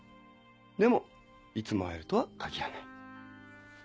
でもいつも会えるとは限らない。